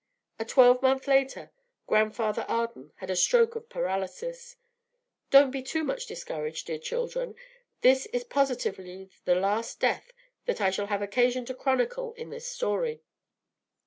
A twelvemonth later, Grandfather Arden had a stroke of paralysis. Don't be too much discouraged, dear children; this is positively the last death that I shall have occasion to chronicle in this story.